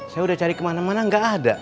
saya udah cari kemana mana gak ada